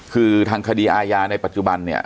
คือทางคดีอายาในปัจจุบัน